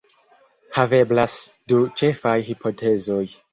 Haveblas du ĉefaj hipotezoj.